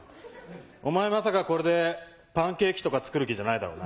お前まさかこれでパンケーキとか作る気じゃないだろうな？